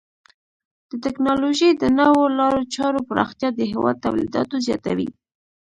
د ټکنالوژۍ د نوو لارو چارو پراختیا د هیواد تولیداتو زیاتوي.